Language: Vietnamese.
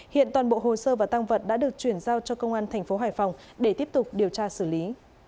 hiện toàn bộ hồ sơ và tăng vật đã được chuyển giao cho công an thành phố hải phòng để tiếp tục điều tra xử lý